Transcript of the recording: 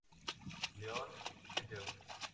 León, Gto.